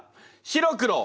白黒。